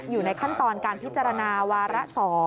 อยู่ในขั้นตอนการพิจารณาวาระ๒